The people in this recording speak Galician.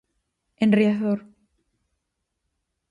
En Riazor.